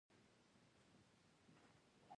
سیلاني ځایونه د صنعت لپاره ځینې مواد برابروي.